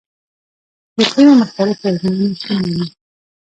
د قیرو مختلفې ازموینې شتون لري